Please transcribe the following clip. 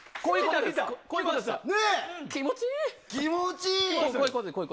気持ちいい！